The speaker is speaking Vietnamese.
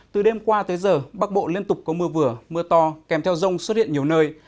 từ đêm qua tới giờ bắc bộ liên tục có mưa vừa mưa to kèm theo rông xuất hiện nhiều nơi